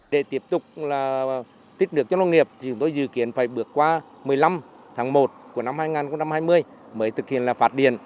để tiếp tục là tích nước cho nông nghiệp thì chúng tôi dự kiến phải bước qua một mươi năm tháng một của năm hai nghìn hai mươi mới thực hiện là phát điện